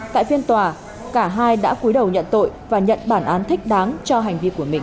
tại phiên tòa cả hai đã cuối đầu nhận tội và nhận bản án thích đáng cho hành vi của mình